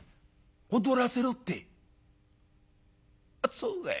「そうかい。